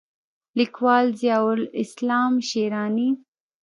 لیکوال: ضیاءالاسلام شېراني